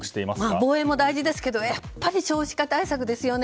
防衛も大事ですけどやっぱり少子化対策ですよね。